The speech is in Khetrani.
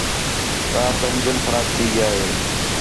کار تا انجن خراب تھی ڳیا ہے